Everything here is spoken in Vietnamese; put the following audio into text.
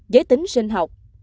giới tính sinh học